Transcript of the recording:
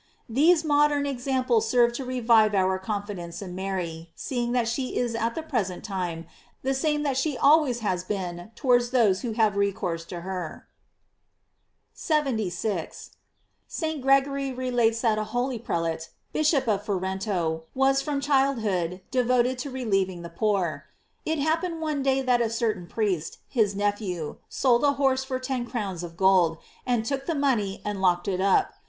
These modern examples serve to revive our confidence in Mary, seeing that she is at the present time the same that she always has been towards those who have recoursf lo her. 718 GLORIES OF MARY. 76. — St. Gregory relates that a holy Bishop of Ferento, was from childhood devoted to relieving the poor. It happened one day that a certain priest, his nephew, sold a horse for ten crowns of gold, and took the money arid locked it up.